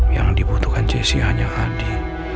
yang dibutuhkan jessi hanya adi